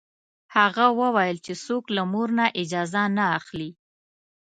هغه وویل چې څوک له موږ نه اجازه نه اخلي.